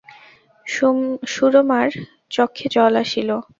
সুরমার চক্ষে জল আসিল।